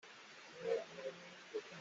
Na angki he nan i mawi ngai.